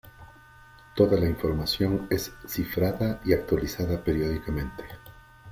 Todo la información es cifrada y actualizada periódicamente.